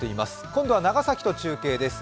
今度は長崎と中継です。